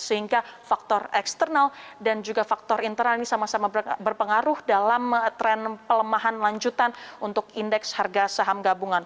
sehingga faktor eksternal dan juga faktor internal ini sama sama berpengaruh dalam tren pelemahan lanjutan untuk indeks harga saham gabungan